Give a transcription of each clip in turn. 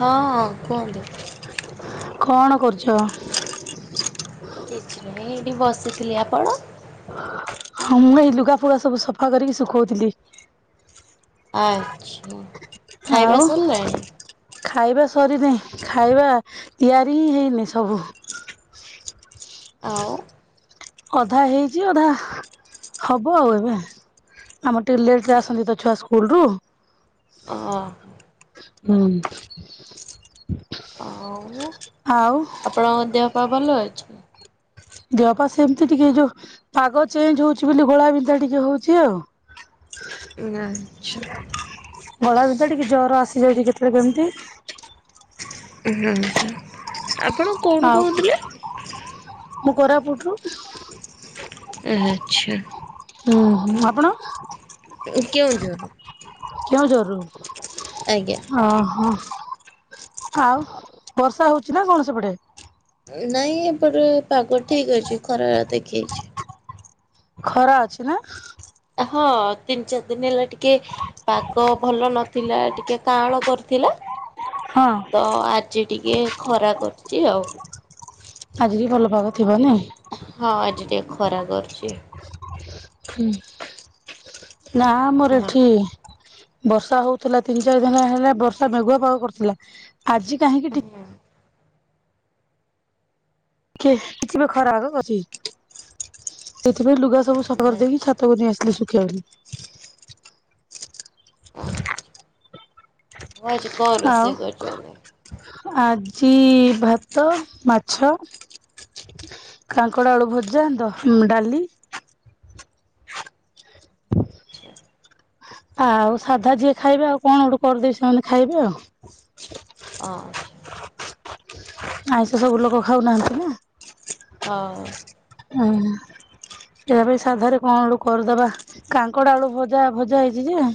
ହଁ କୁହନ୍ତୁ। କଣ କରୁଛ? କିଛି ନାଇଁ ଏଠି ବସିଥିଲି ଆପଣ? ହଁ ମୁଁ ଏଇ ଲୁଗା ଫୁଗା ସବୁ ସଫା କରିକି ଶୁଖଉଥିଲି। ଆଚ୍ଛା ଆଉ ଖାଇବା ସରିଲାଣି। ଖାଇବା ସରିନି ଖାଇବା ତିଆରି ହିଁ ହେଇନି ସବୁ। ଆଉ। ଅଧା ହେଇଛି ଅଧା, ହବ ଆଉ ଏବେ। ଆମର ଟିକେ ଲେଟ୍ ରେ ଆସନ୍ତି ତ ଛୁଆ ସ୍କୁଲ ରୁ- ଅ ହୁଁ। ଆ ଉ ଆଉ ଦେହପା ଭଲ ଅଛି। ଦେହ ପାା ସେମିତି ଟିକେ ଯୋଉ ପାଗ ଚେଞ୍ଜ ହଉଛି ବୋଲି ଘୋଳାବିନ୍ଧା ଟିକେ ହଉଛି ଆଉ। ଆଛା। ଗଳା ବିିତା ଟିକେ ଜର ଆସିଯାଇଛି କେତେବେଳେ କେମିତି [inaudible] ଆଛା ଆପଣ କଉଠୁ ଆଉ କହୁଥିଲେ। ମୁଁ କୋରାପୁଟ ରୁ ଆଚ୍ଛା। ହୁଁ ହୁଁ ଆପଣ। କେଉଁଝର ରୁ କେଉଁଝର ରୁ ଓହୋ ଆଉ ବର୍ଷା ହଉଚି ନା କଣ ସେପଟେ ନାଇଁ ଏପଟେ ପାଗ ଠିକ୍ ଅଛି ଖରା ଦେଖେଇଛି ଖରା ଅଛି ନା ହଁ ତିନି ଚାରି ଦିନି ହେଲା ଟିକେ ପାଗ ଭଲ ନଥିଲା ଟିକେ କାଁଳ କରିଥିଲା। ହଁ। ତ ଆଜି ଟିକେ ଖରା କରୁଚି ଆଉ। ଆଜି ବି ଭଲ ପାାଗ। ହଁ ଆଜି ଟିକେ ଖରା କରୁଚି। ହୁଁ ନା ମୋର ହଁ ଏଠି ବର୍ଷା ହଉଥିଲା ତିନି ଚାରି ଦିନି ହେଲା ବର୍ଷା ମେଘୁଆ ପାାଗ କରୁଥିଲା ଆଜି କାହିଁକି ଟି କି କିଛିିବି ଖରା ହଉଅଛି। ସେଥିପାଇଁ ଲୁଗା ସବୁ ସଫା କରିଦେଇକି ଆଚ୍ଛା ଛାତକୁ ନେଇ ଆସିଥିଲି ଶୁଖେଇବାକୁ [unintelligible] ହଉ ଆଜି କଣ ଆଉ ରୋଷେଇ କରିଚନ୍ତି। ଆଜି ଭାତ ମାଛ। କାଙ୍କଡ ଆଳୁ ଭଜା ଦ ଡାଲି ଆଚ୍ଛା ଆଉ ସାଧା ଯିଏ ଖାଇବେ ଆଉ କଣ ଗୋଟେ କରିଦେବି ସେମାନେ ଖାଇବେ ଆଉ। ଆଛା। ଆଇଁଷ ସବୁ ଲୋକ ଖାଉନାହାନ୍ତି, ନା ହଁ। ଆଉ। ଏବେ ସାଧାରେ କଣ ଗୋଟେ କରିଦବା କାଙ୍କଡା ଆଳୁ ଭଜା ଭଜା ହେଇଛି ଯେ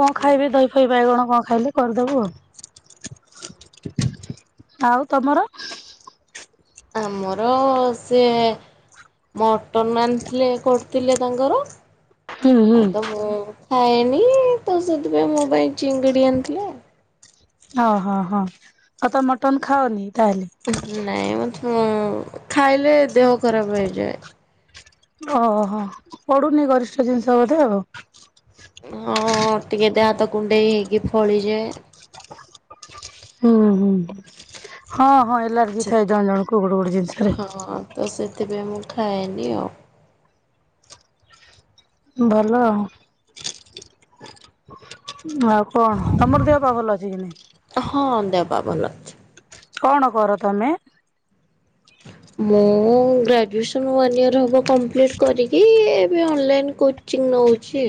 କଣ ଖାଇବେ ଦହି ଫଇ ବାଇଗଣ କଣ ଖାଇବେ କରିଦେବୁ ଆଉ। ହ [unintelligible] ଆଉ ତମର ଆମର ସେ ମଟନ ଆଣିଥିଲେ କରିଥିଲେ ତାଙ୍କର ହୁଁ ହୁଁ। ଆଉ ତ ମୁଁ ଖାଇନି ତୋ ସେଥିପାଇଁ ମୋ ପାଇଁ ଚିଙ୍ଗିଡି ଆଣିଥିଲେ ଆଉ। ଓ ହୋ ହଁ ହଁ ଆଉ ତମେ ମଟନ ଖାଅନି ତାହେଲେ। ହଁ ଖାଇଲେ ଦେହ ଖରାପ ହେଇଯାଏ। ଓହୋ ପଡ଼ୁନି ଗରିଷ୍ଠ ଜିନିଷ ବୋଧେ ଆଉ। ହଁ ଟିକେ ଦେହ ହାତ କୁଣ୍ଡେଇ ହେଇକି ଫଳିଯାଏ। ହୁଁ ହୁଁ ହଁ ହଁ ଏଲାର୍ଜି ଥାଏ ଜଣ ଜଣ କୁ ଗୋଟେ ଗୋଟେ ଜିନିଷରେ। ତେବେ ମୁଁ ଖାଏନି ଆଉ। ଭଲ ଆଉ। ଆଉ କଣ, ତମର ଦେହ ପା ଭଲ ଅଛି କି ନାଇଁ। ହଁ ଦେହ ପା ଭଲ ଅଛି। କଣ କର ତମେ? [inaudible] ମୁଁ ଉଁ ଗ୍ରାଜୁଏସନ୍ ୱାନ୍ ଇୟର୍ ହେବ କମ୍ପ୍ଲିଟ କରିକି ଏବେ ଅନଲାଇନ୍ କୋଚିଂ ନଉଛି।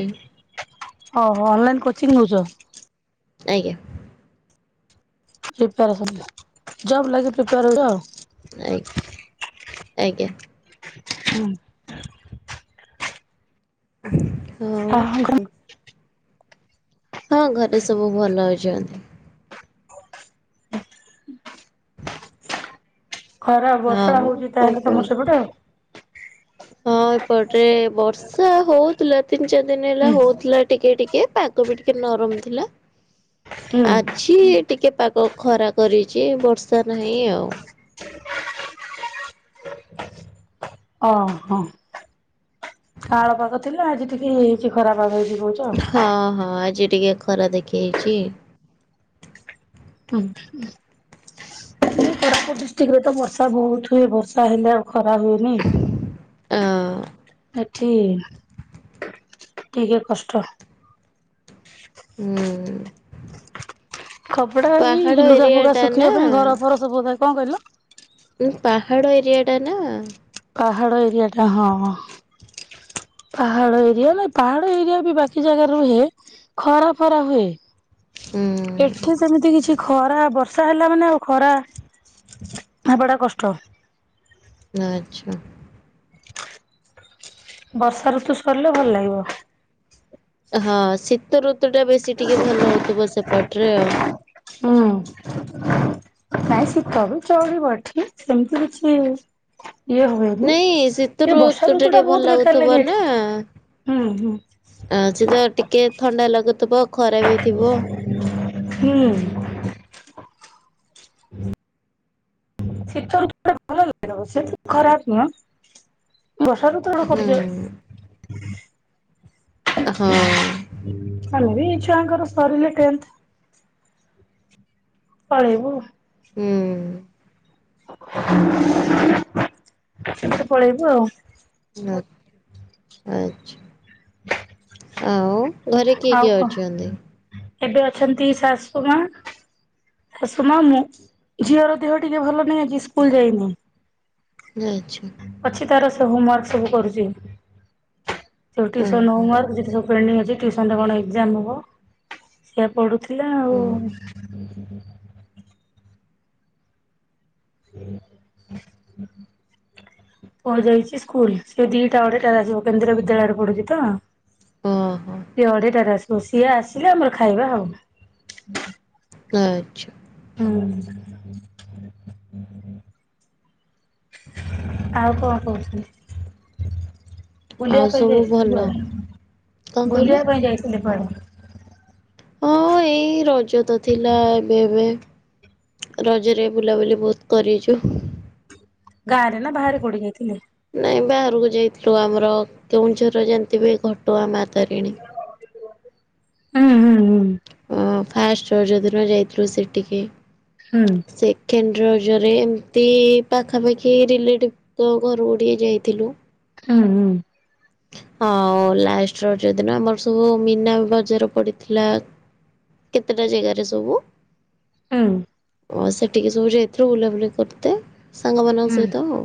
ଓହୋ ଅନଲାଇନ୍ କୋଚିଂ ନେଉଛ? ଆଜ୍ଞା। ପ୍ରିପେରେସନ ଜବ ଲାଗି ପ୍ରିପେୟାର ହଉଛ ଆଉ। ଆଜ୍ଞା ଆଜ୍ଞା। ହୁଁ। [inaudible] [unintelligible] ହଁ ଘରେ ସବୁ ଭଲ ଅଛନ୍ତି। ଖରା ବର୍ଷା ଆଉ ହେଉଛି କଣ ତାହେଲେ ତମ କୁହନ୍ତୁ? ସେପଟେ ଆଉ। ହଁ ଏପଟରେ ବର୍ଷା ହଉଥିଲା ତିନି ଚାରି ଦିନ ହେଲା ଆଉ ହଉଥିଲା ଟିକେ ଟିକେ ଏ ପାଗ ବି ଟିକେ ନରମ ଥିଲା, ହୁଁ ହୁଁ ଆଜି ଟିକେ ପାଗ ଖରା କରିଛି ବର୍ଷା ନାହିଁ ଆଉ। ଓ ହଁ କାଆଁଳ ପାଗ ଥିଲା ଆଜି ଟିକେ ହେଇଛି ଖରା ପାଗ ହେଇଛି। କହୁଛ ଆଉ। ହଁ ହଁ ଆଜି ଟିକେ ଖରା ଦେଖେଇଛି। ଉଁହୁଁ। କୋରାପୁଟ ଡିଷ୍ଟ୍ରିକ୍ଟରେ ତ ବର୍ଷା ବହୁତ ହୁଏ ବର୍ଷା ହେଲେ ଆଉ ଖରା ହୁଏନି? ଅ ଏଠି ଟିକେ କଷ୍ଟ। ହୁଁଉଁ। କପଡା ଏଇ ଲୁଗା ଫୁଗା ନା ଶୁଖିବା ବା ପାଇଁ ଘର ଫର ସବୁ ଓଦା କଣ କହିଲ? ପାହାଡ଼ ଏରିଆ ଟା ନା। ପାହାଡ଼ ଏରିଆଟା ହଁ। [inaudible] ପାହାଡ ଏରିଆ ନାଇ ପାହାଡ଼ ଏରିଆ ବି ବାକି ଜାଗାରେ ରୁହେ ଖରା ଫରା ହୁଏ। ହୁଁ ଏଠି ସେମିତି କିଛି ଖରା ବର୍ଷା ହେଲା ମାନେ ଆଉ ଖରା ହେବାଟା କଷ୍ଟ। ଆଚ୍ଛା। ବର୍ଷା ଋତୁ ସରିଲେ ଭଲ ଲାଗିବ। ହଁ ଶୀତଋତୁ ଟା ବେଶୀ ଟିକେ ଭଲ ହଉଥିବ ସେପଟରେ ଆଉ। ହୁଁ [inaudible] ନାଇଁ ଶୀତ ବି ଚଳିବ ଏଠି। ସେମିତି କିଛି ଇଏ ହୁଏନି। ନାଇଁ ଶୀତ ଏ ଋତୁ ବର୍ଷା ଟା ଟିକେ ବହୁତ ଭଲ ବେକାର ଲାଗୁଥିବ ଲାଗେ ନା। ଏଠି। ହୁଁ ହୁଁ ଆଜି ତ ଟିକେ ଥଣ୍ଡା ଲାଗୁଥିବ ଖରା ଵି ଥିବ। ହୁଁ। [inaudible] ଶୀତ [unintelligible] ଭଲ ଲାଗବ ସେ ତ ଖରାପ ନୁହଁ। ହୁଁ [unintelligible] ହଁ ହେଲା ବିଇ ଛୁଆଙ୍କର ସରିଲେ ଟେନ୍ଥ। ପଳେଇବୁ? ହୁଁ [inaudible] ଏତପଳେଇବୁ ଆଉ। [unintelligible] ଆଛା ଆଉ। ଘରେ କିଏ ଆଉ କିଏ କଣ ଅଛନ୍ତି? ଏବେ ଅଛନ୍ତି ଶାଶକୁ ମା ଶାଶୁ ମା ମୁଁ ଝିଅର ଦେହ ଟିକେ ଭଲ ନାହିଁ ଆଜି ସ୍କୁଲ ଯାଇନି। ଯଇଛି। ହମୱାର୍କ ସବୁ କରୁଛି, ଟିୟୁସନ ଓହୋ ହମୱାର୍ ଯିବୁ ପେଣ୍ଡିଙ୍ଗ ଅଛି ଟଟିୁସନରେ କଣ ଏକ୍ଜାମ ହେବ ସେଆ ପଢ଼ୁଥିଲା ଆଉ ଓହୋ ହୁଁ ପୁହ ଯାଇଛି ସ୍କୁଲ ସେ ଦିଟା ବଡେ ଟ ଆସିବ କେନ୍ଦ୍ରୀୟ ବିଦ୍ୟାଳୟରେ ପଢୁଛି ତ ଓହୋ ସେି ଅଢେଟାରେ ଆସିବ ସିଏ ଆସିଲେ ଆମର ଖାଇବା ଆଉ ଆଚ୍ଛା ହଁ ଆଉ କଣ କହୁଛନ୍ତି ବୁଲିବା ଆଉ ପାଇଁ ସବୁ ଯାଇଥିଲି ଭଲ କୁଆଡେ କଣ କହିଲେ? ବୁଲିବା ପାଇଁ ଯାଇଥିଲି କୁଆଡେ ହଁ ଏଇ ରଜ ତ ଥିଲା ଏବେ ଏବେ ରଜରେ ବୁଲାବୁଲି ବହୁତ କରିଛୁ ଗାଁରେ ନା ବାହାରେି ପୋଡି ଯାଇଥିଲେି କାଇ ବାହାରକୁ ଯାଇଥିଲୁ ଆମର କେଉଁଝର ଯେମିତି ବି ଘଟୁଆ ମା ତାରିଣୀ ହୁଁ ହୁଁ ହୁଁ ଫାଷ୍ଟଯ୍ୟଦିନ ଯାଇଥିଲୁ ସେ ଟିକି ହୁଁ ସେ କେଜରେ ଏମିତି ପାଖାପାଖି ରିଲେଟିଭ ତ ଘରକୁ ଟିକଏ ଯାଇଥିଲୁ ହୁଁ ହୁଁ ଆଉ ଲାଷ୍ଟ ର ଯଦିନ ଆମର ସବୁ ମନା ବଜାର ପଡିଥିଲା କେତେଟା ଜାଗାରେ ସବୁ ହଁ ହଁ ସେ ଟିକି ସବୁଛି ଏଥିରୁ ବୁଲାବୁଲି କରିତେ ହୁଁ ସାଙ୍ଗମାନଙ୍କ ହୁଁ। ସହିତ ଆଉ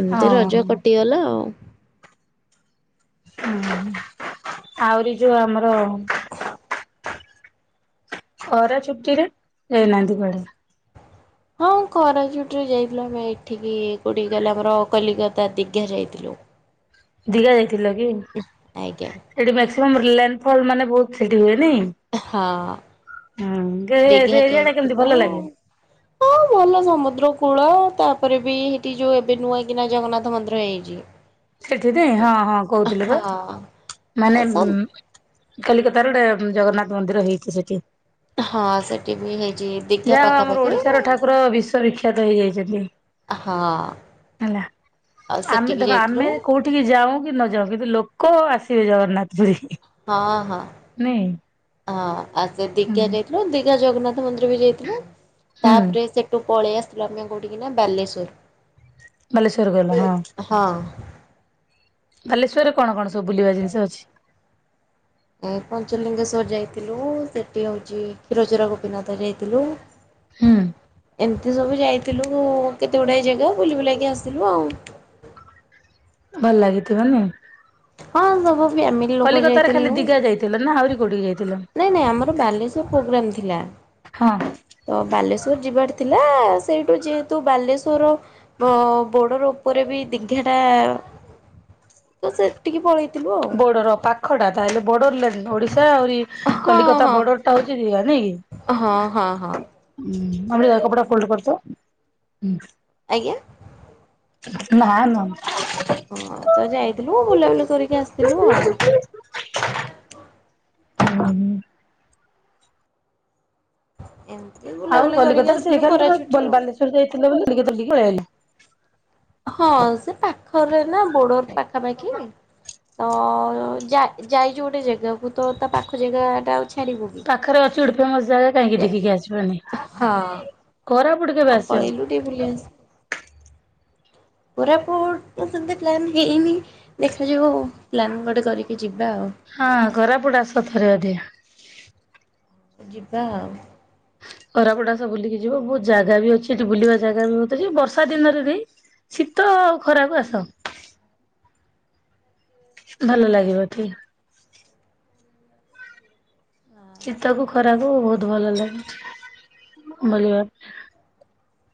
ଏମିତି ରଜ ଓହୋ କଟିଗଲା ଆଉ ହୁଁ ଆହୁରି ଯୋଉ ଆମର ଖରା ଚଛୁଟିରେ ଯାଇନାହାନ୍ତି କଡ ହଁ କରାଜୁଟରେ ଯାଇଥିଲୁ ଆମେ ଏଠିକି କୋଉଠି ଗଲା ଆମର କଲିକତା ଦିଘା ଯାଇଥିଲୁ ଦିଗା ଯାଇଥିଲ କି ଆଜ୍ଞା ସେଠି ମକ୍ସିମମ୍ ଲ୍ୟାଣ୍ଡ ଫଲ୍ ମାନେ ବହୁତ ସେଠି ହୁଏ ହଁ ଦୀଘା ଏରିଆ ଟା କେମତି ଯାଇଥିଲୁ। ଭଲ ଲାଗେ ହଁ ଭଲ ସମୁଦ୍ରକୁ କୂଳ ତାପରେ ବି ସେଇଠି ଯୋଉ ଏବେ ନୁହଁ କିନା ଜଗନ୍ନାଥ ମନ୍ଦିର ହେଇଛି ସେଠିିନାଇ ହଁ ହଁ କହୁଥିଲେ ବା ଆଉ ମାନେ ସବ ଉ କଲିକତ ର ଗୋଟେ ଜଗନ୍ନାଥ ମନ୍ଦିର ହେଇଛି ସେଠି ହଁ ସେଠି ବି ହେଇ ଯାହା ଆମର ଓଡିଶାର ଠାକୁର ବିଶ୍ଵବିଖ୍ୟାତ ହେଇଯାଇଛନ୍ତି ହେଲା ଆଉ ଆମେ ସେଠିକି ଦେଖ ଯାଇଥିଲୁ ଆମେ କୋଉଠିକି ଯାଉ କି ନଯାଉ କିନ୍ତୁ ଲୋକ ଆସି ଶିବ ଜଗନ୍ନାଥପୁରୀ ହଁ ହଁ ହଁ ଆଉ ସେ ଦିଘା ହୁଁ ଯାଇଥିଲୁ ଦିଘା ଜଗନ୍ନାଥ ମନ୍ଦିର ବି ଯାଇଥିଲୁ ହୁଁ ତାପରେ ସେଠୁ ପଳେଇ ଆସିଥିଲୁ ଆମେ କୋଉଠିିକି ନା ବାଲେଶ୍ଵର ମଲେଶ୍୍ୱର ଗଲା ହଁ ହଁ। ବାଲେଶ୍ୱରରେ କଣ କଣ ସବୁ ବୁଲିବା ଜିନିଷ ଅଛି ଏ ପଞ୍ଚଲିଙ୍ଗେଶ୍ଵର ଯାଇଥିଲୁ ସେଠି ହଉଛି କ୍ଷୀରଚର ଗୋପୀନାଥ ଯାଇଥିଲୁ ହୁଁ ଏତେ ସବୁ ଯାଇଥିଲୁ କେତେଗୁଡାଏ ଜାଗା ବୁଲି ବୁଲକି ଆସିଥିଲୁ ଆଉ। ଭଲ ଲାଗିଥିବନି ହଁ ସବୁ ବି ଫ୍ୟାମିଲି ଲୋକ କଲିକତାରେ ଖାଲି ଯାଇଥିଲୁ। ଦିଘା ଯାଇଥିଲ ନା ଆହୁରି କୋଉଠିକି ଯାଇଥିଲ? ନାଇଁ ନାଇଁ ଆମର ବାଲେଶ୍ଵର ପ୍ରୋଗ୍ରାମ ଥିଲା। ହଁ ତ ବାଲେଶ୍ୱଵର ଯିବାର ଥିଲା ସେଇଠୁ ଯେହେତୁ ବାଲେଶ୍ୱର ବର୍ଡ଼ର ଉପରେ ବି ଦୀଘା ଟା ତ ସେ [unintelligible] ବୋର୍ଡର ପାଖ ଟା ତାହେଲେ ବୋଡର [unintelligible] ଓଡ଼ିଶା [unintelligible] ସେ ଆହୁରି ହଁ କଲିକତା ହଁ ବର୍ଡର ଟା ହଉଛି [unintelligible] ନାଇଁ କି? ହଁ, ହଁ, ହଁ। ହୁଁ ଆମେ କପଡା ଫୋଲଡ କର [unintelligible] ହଁ। ଆଜ୍ଞା ନା, ନା ହଁ ତ ଯାଇଥିଲୁ ବୁଲାବୁଲି କରିକି ଆସିଥିଲୁ ଆଉ। ହଁ [inaudible] ଏମିତି ଆଉ ବୁଲାବୁଲି କରିକି କଲିକତାାରେ ସେଇ ଆସିଲୁ ଖା ଖରା [unintelligible] ଛୁଟି ତମ ଆଉ। ବାଲେଶ୍ଵର ଯାଇଥିଲ କଲିକତା ଟେ ପଳେଇଲେ। ହଁ ସେ ପାଖରେ ନା ବୋର୍ଡର ପାଖାପାଖି। ତ ଯାଇଛୁ ଗୋଟେ ଜାଗାକୁ ତ ତା ପାଖ ଜାଗା ଟା ଆଉ ଛାଡିବୁ କି? ଚିଡ଼ପ [unintelligible] [unintelligible] ଜାଗା କାହିଁକି ଯେ ଦେଖିକି ଆସିବନି ହଁ କୋରାପୁଟ କେବେ ଆଉ ଆସିବ? ପଳେଇଲୁ ଟିକେ ବୁଲି ଆସି [inaudible] କୋରାପୁଟ ସେ [unintelligible] ପ୍ଲାନ୍ ହେଇନି ଦେଖାଯିବ ପ୍ଲାନ ଗୋଟେ କରିକି ଯିବା ଆଉ ହଁ ଖରାପୁଟ ଆସଥରେ ଅଧିକେ ଯିବା ଆଉ। ଖରାପଡାସ ବୁଲିକି ଯିବ ବହୁତ ଜାଗା ବି ଅଛି ଏଠି ବୁଲିବା ଜାଗା ବି ବତ [unintelligible] [inaudible] ବର୍ଷା ଦିନରେ ବି ଶୀତ ଖରାକୁ ଆସ। ଭଲ ଲାଗିବ ଟିକ। ଶୀତକୁ ଖରାକୁ ବହୁତ ଭଲ ଲାଗେ ବୁଲିବା ପାଇଁ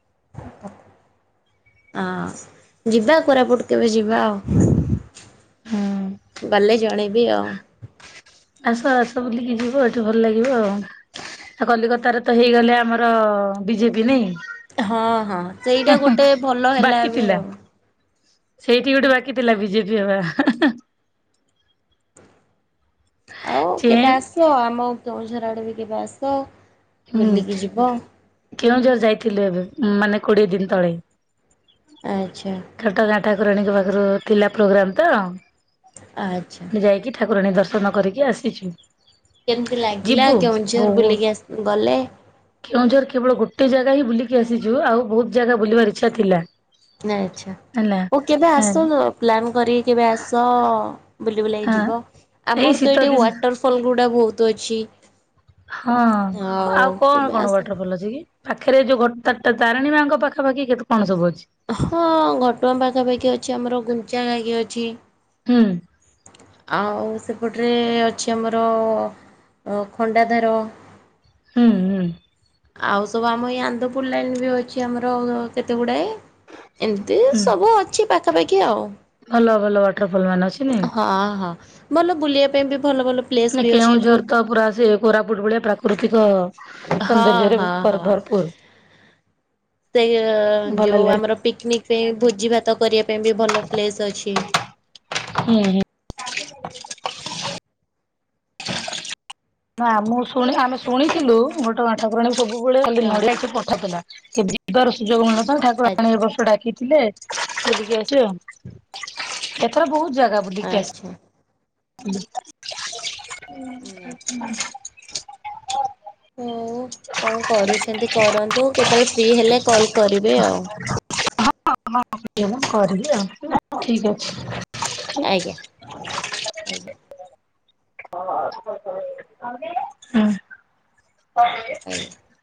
[unintelligible] ହ ଯିବା କୋରାପୁଟ କେବେ ଯିବା ଆଉ ହୁଁ ଗଲେ ଜଣ [inaudible] ବି ଆଉ । ଆସ ଆସ ବୁଲିକି ଯିବ ଏଠି ଭଲ ଲାଗିବ ଆଉ । ଆ [inaudible] କଲିକତାାରେ ତ ହେଇଗଲେ ଆମର ବିଜେପି ନାଇଁ ହଁ ହଁ ସେଇଟା ଗୋଟେ ଭଲ ହେଲା ବାକି ବି ଥିଲା। ଆଉ। ସେଇଠି ଗୋଟେ ବାକି ଥିଲା ବିଜେପି ହବା। ଆଉ ଚେଁ କେବେ ଆସ ଆମ କେଉଁଝର ଆଡେ ବି କେବେ ଆସ। ହୁଁ ବୁଲିକି ଯିବ। କେଉଁଝର ଯାଇଥିଲୁ ଏବେ ମାନେ କୋଡିଏ ଦିନ ତଳେ। ଆଚ୍ଛା ପା [inaudible] ରାଣ ପାଖରୁ ଥିଲା ପ୍ରୋଗ୍ରାମ ତ ଆଚ୍ଛା। [inaudible] ରୁଣୀ ଦର୍ଶନ କରିକି ଆସିଛୁ କେମିତି ଲାଗିଲା ଯିବୁ କେଉଁଝର ବହୁ ବୁଲିକି ଆସ [unintelligible] କେଉଁଝର କେବଳ ଗୋଟେ ଜାଗା ା [unintelligible] ଗା ହିଁ ବୁଲିକି ଆସିଛୁ ଆଉ ବହୁତ ଜାଗା ବୁଲା [inaudible] ର ଇଛା ଥିଲା । ଆଚ୍ଛା ଓ କେବେ ହଁ ଆସୁ [unintelligible] ପ୍ଲାନ୍ କର କେବେ ଆସ ବୁଲି ବୁଲି [unintelligible] ହଁ ଯିବ ଏଇ ଆମର ଶୀତ ତ ଏଇଠି ଦିନ ୱାଟରଫଲ୍ ଗୁଡ଼ା ବହୁତ ଅଛି। ହଁ [unintelligible] ଆଉ କଣ କେବେ କଣ ଆସ ୱାଟରଫଲ ଅଛି କି? ପାଖରେ ଯୋଉ [unintelligible] ତାରଣୀ ମାଆଙ୍କ ପାଖା ପାଖି କେତେ କଣ ସବୁ ଅଛି? ହଁ ଘଟଗାଁ ପାଖାପାଖି ଅଛି ଆମର ଗୁଞ୍ଚା [unintelligible] ଖାକି ଅଛି। ହୁଁ ଆଉ ସେ ସେପଟରେ ଅଛି ଆମର ଖଣ୍ଡାଧାର । ହୁଁ ହୁଁ। ଆଉସବୁ ଆମ ଏଇ ଆନନ୍ଦପୁର ଲାଇନ ବି ଅଛି ଆମର କେତେ ଗୁଡାଏ । ହୁଁ ଏମିତିସବୁ ଅଛି ପାଖାପାଖି ଆଉ । ଭଲ ଭଲ ୱାଟରଫଲ ମାନ ଅଛି ନାହିଁ । ହଁ ହଁ। ଭଲ ବୁଲିବାପାଇଁ ବି । ନା କେଉଁଝର ତ ପୁରା ସେ କୋରାପୁଟ ଭଳିଆ ପ୍ରାକୃତିକ ହଁ ସୌନ୍ଦର୍ଯ୍ୟରେ ହଁ ହଁ। ପର୍ବତ । ପୁର ସେ ଯୋଉ ଲାଗେ ଆମର ପିକନିକ୍ ପାଇଁ ଭୋଜି ଭାତ କରିବା। ଆମ ପାଇଁ ବି ଭଲ ପ୍ଲେସ୍ ଅଛି । ହୁଁ ହୁଁ ନା ମୁଁ ଶୁଣି ଆମେ କେମ୍ ଶୁଣିଥିଲୁ ଗୋଟେ ଘଟଗାଁ ଠାକୁରାଣୀ ସବୁବେଳେ ଖାଲି ହଁ ନଡିଆ କି ପଠାଥିଲା। କେବେ ଯିବାର ସୁଯୋଗ ମିଲିନଥିଲା ତାକୁ ଏ ଆଚ୍ଛା ବର୍ଷ ଡାକି କି । ଥିଲେ ବୁଲିକି ଆଇଛୁ ଏଥର ବହୁତ ଯାଗା ବୁଲିକି ଆସୁଛୁ । ଆଚ୍ଛା [inaudible] ହୁଁ କଣ କରୁଛନ୍ତି କରନ୍ତୁ କେତେବେଳେ ଫ୍ରି ହେଲେ କଲ କରିବେ ଆଉ । [inaudible] କରିବି ଆଉ ହେଲା ଠିକ ଅଛି । ଆଜ୍ଞା ଆଜ୍ଞା। ହୁଁ। ଆଜ୍ଞା। [inaudible]